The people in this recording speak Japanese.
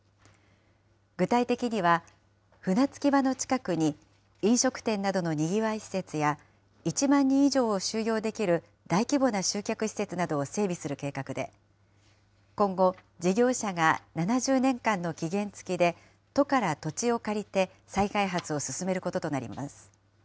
具体的には、船着き場の近くに飲食店などのにぎわい施設や、１万人以上を収容できる大規模な集客施設などを整備する計画で、今後、事業者が７０年間の期限付きで、都から土地を借りて再開発を進めることとなります。